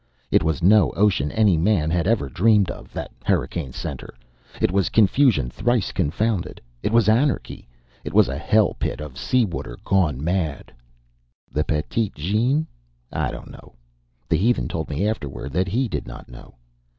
It was no ocean any man had ever dreamed of, that hurricane center. It was confusion thrice confounded. It was anarchy. It was a hell pit of sea water gone mad. The Petite Jeanne? I don't know. The heathen told me afterwards that he did not know.